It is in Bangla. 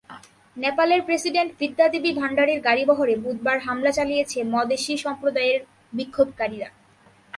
নেপালের প্রেসিডেন্ট বিদ্যা দেবী ভান্ডারির গাড়িবহরে বুধবার হামলা চালিয়েছে মদেশি সম্প্রদায়ের বিক্ষোভকারীরা।